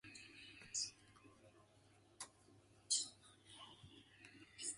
Initially he settled in New York and worked as a tailor, his family trade.